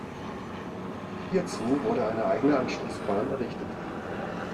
Hierzu wurde eine eigene Anschlussbahn errichtet.